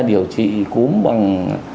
điều trị cúm bằng